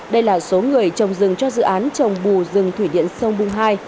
đây là số người trồng rừng cho dự án trồng bù rừng thủy điện sông bung hai